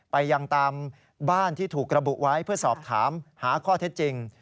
ไปยังตามบ้านที่ถูกระบุไว้เพื่อสอบถามหาข้อเท็จจริง